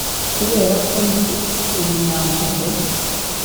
kuberako ndi imunyampuwe